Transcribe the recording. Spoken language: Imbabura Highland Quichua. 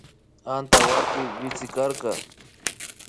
Antawpi sikarka